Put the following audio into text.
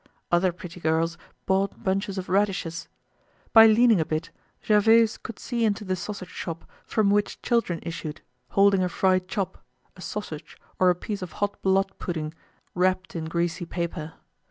Other pretty girls bought bunches of radishes. By leaning a bit, Gervaise could see into the sausage shop from which children issued, holding a fried chop, a sausage or a piece of hot blood pudding wrapped in greasy paper.